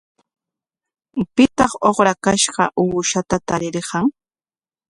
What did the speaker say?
¿Pitaq ukrakashqa uushata tarirqan?